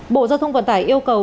bộ giao thông vận tải yêu cầu